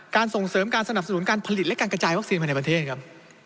ส่งเสริมการสนับสนุนการผลิตและการกระจายวัคซีนภายในประเทศครับ